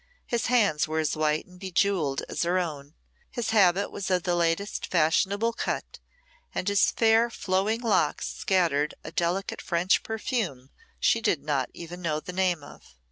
His hands were as white and bejewelled as her own, his habit was of the latest fashionable cut, and his fair flowing locks scattered a delicate French perfume she did not even know the name of.